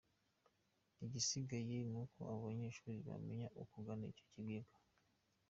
Igisigaye ni uko abo banyeshuri bamenya kugana icyo kigega.